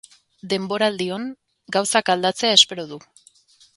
Denboraldion gauzak aldatzea espero du.